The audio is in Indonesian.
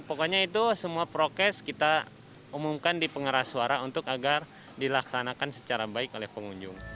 pokoknya itu semua prokes kita umumkan di pengeras suara untuk agar dilaksanakan secara baik oleh pengunjung